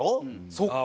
そっか。